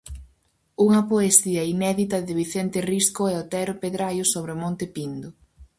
Unha poesía inédita de Vicente risco e Otero pedraio sobre o Monte Pindo.